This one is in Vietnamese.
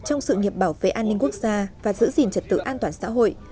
trong sự nghiệp bảo vệ an ninh quốc gia và giữ gìn trật tự an toàn xã hội